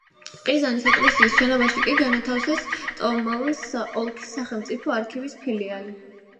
ყაზანის ეკლესიის შენობაში კი განათავსეს ტამბოვის ოლქის სახელმწიფო არქივის ფილიალი.